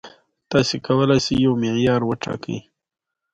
له هغه وروسته سیمه ییزو واکمنانو ځواک ترلاسه کړ.